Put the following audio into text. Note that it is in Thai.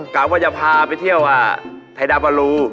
กลับว่าจะพาไปเที่ยวไทยดาบะรู